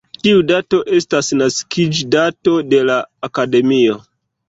Tiu dato estas naskiĝdato de la akademio.